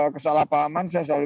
kesalahpahaman saya selalu